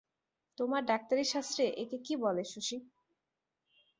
তোমার ডাক্তারি শাস্ত্রে একে কী বলে শশী?